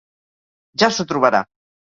Ja s'ho trobarà.